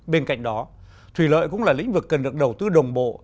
bên cạnh đó thủy lợi cũng là lĩnh vực cần được đầu tư đồng bộ